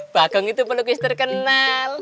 bagong itu pelukis terkenal